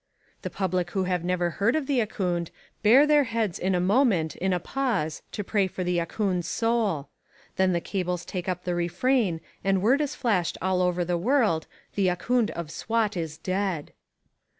The public who have never heard of the Ahkoond bare their heads in a moment in a pause to pray for the Ahkoond's soul. Then the cables take up the refrain and word is flashed all over the world, The Ahkoond of Swat is Dead.